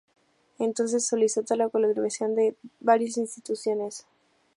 Entonces se solicitó la colaboración de varias instituciones.